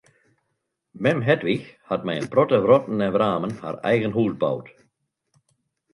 Mem Hedwig hat mei in protte wrotten en wramen har eigen hûs boud.